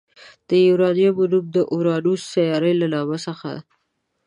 د یوارنیمو نوم د اورانوس سیارې له نامه څخه